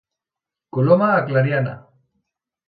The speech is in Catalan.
Coloma a Clariana.